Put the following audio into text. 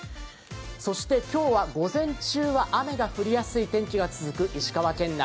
そして今日は午前中は雨が降りやすい天気が続く石川県内。